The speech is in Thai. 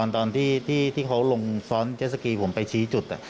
ตอนที่เขาลงซ้อนเจ็ดสกีผมไปชี้จุด